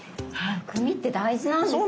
薬味って大事なんですね。